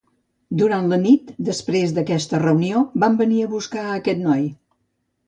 Durant la nit després d'aquesta reunió, van venir a buscar a aquest noi.